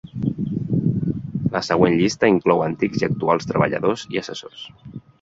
La següent llista inclou antics i actuals treballadors i assessors.